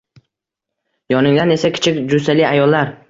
Yoningdan esa kichik jussali ayollar